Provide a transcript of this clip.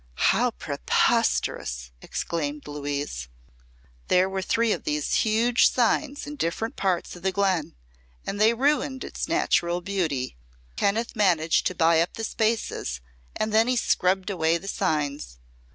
"How preposterous!" exclaimed Louise. "There were three of these huge signs in different parts of the glen, and they ruined its natural beauty. Kenneth managed to buy up the spaces and then he scrubbed away the signs.